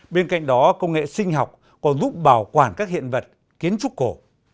bên cạnh đó công nghệ sinh học còn giúp bảo quản các hiện vật kiến trúc cổ